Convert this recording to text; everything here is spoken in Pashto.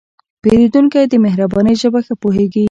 پیرودونکی د مهربانۍ ژبه ښه پوهېږي.